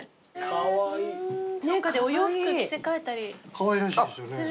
かわいらしいですよね。